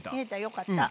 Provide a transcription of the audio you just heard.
よかった。